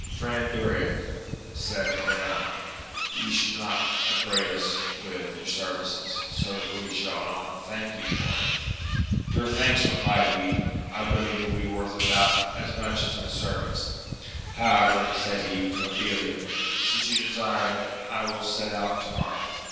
Friend Durin, said Oriana, you should not upbraid us with your services, so that we shall not thank you for it. Your thanks, replied he, I believe will be worth about as much as my service ! however, said he to Mabilia, since you desire it, I will set out to morrow.